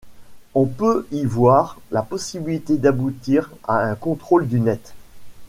On peut y voir la possibilité d'aboutir à un contrôle du net.